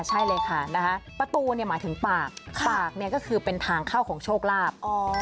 ใช่เลยค่ะประตูหมายถึงปากปากก็คือเป็นทางเข้าของโชคลาภ